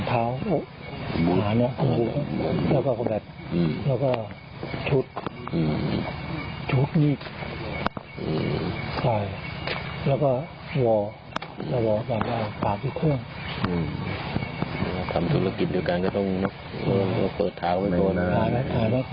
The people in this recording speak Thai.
ถ้าทำธุรกิจเดียวกันก็ต้องปลอดเท้าขึ้น